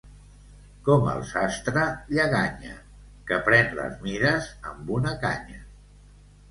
Com el sastre Lleganya, que pren les mides amb una canya.